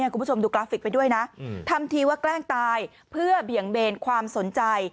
คุณผู้ชมดูกราฟิกไปด้วยนะทำทีว่าแกล้งตายเพื่อเบี่ยงเบนความสนใจ